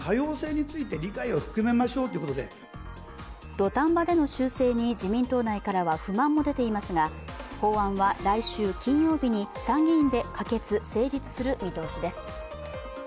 土壇場での修正に自民党内から不満も出ていますが法案は来週金曜日に参議院で可決・成立する見通しです。